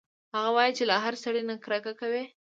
هغه وايي چې له هر سړي نه کرکه کوي